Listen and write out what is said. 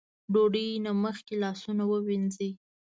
ډوډۍ نه مخکې لاسونه ووينځئ ـ